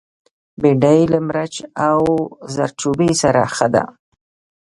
بېنډۍ له مرچ او زردچوبه سره ښه ده